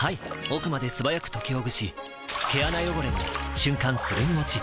奥まで素早く解きほぐし毛穴汚れも瞬間するん落ち！